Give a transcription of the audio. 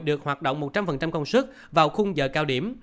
được hoạt động một trăm linh công sức vào khung giờ cao điểm